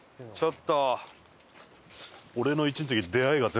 ちょっと。